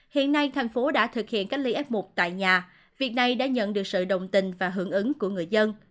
hiện nay thành phố đã thực hiện cách ly f một tại nhà việc này đã nhận được sự đồng tình và hưởng ứng của người dân